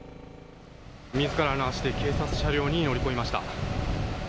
自らの足で警察車両に乗り込みました。